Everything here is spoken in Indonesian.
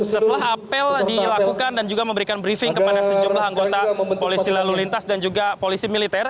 setelah apel dilakukan dan juga memberikan briefing kepada sejumlah anggota polisi lalu lintas dan juga polisi militer